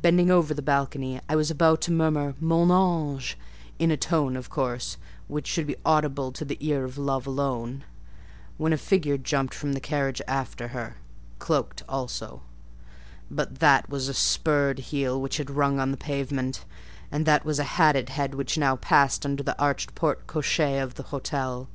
Bending over the balcony, I was about to murmur 'Mon ange'—in a tone, of course, which should be audible to the ear of love alone—when a figure jumped from the carriage after her; cloaked also; but that was a spurred heel which had rung on the pavement, and that was a hatted head which now passed under the arched porte cochère of the hotel.